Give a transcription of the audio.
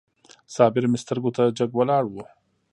صابر مې سترګو ته جګ ولاړ و.